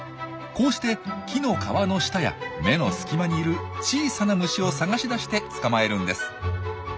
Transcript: こうして木の皮の下や芽の隙間にいる小さな虫を探し出して捕まえるんです。